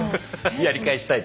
やり返したいと。